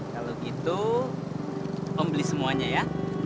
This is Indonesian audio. kalau gitu om beli semuanya ya